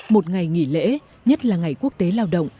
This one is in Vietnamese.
một ngày nghỉ lễ nhất là ngày quốc tế lao động